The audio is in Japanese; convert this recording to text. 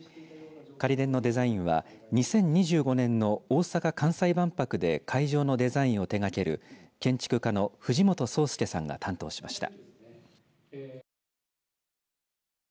仮殿のデザインは２０２５年の大阪・関西万博で会場のデザインを手がける建築家の藤本壮介さんが担当しました。